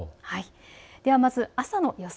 ではまずあすの予想